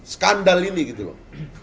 skandal ini gitu loh